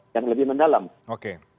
yang lebih mendalam oke